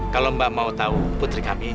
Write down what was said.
kalau mbak mau tahu putri kami